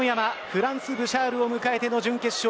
フランス、ブシャールを迎えての準決勝。